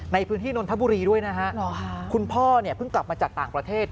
ในพื้นที่นนทบุรีด้วยนะฮะคุณพ่อเนี่ยเพิ่งกลับมาจากต่างประเทศ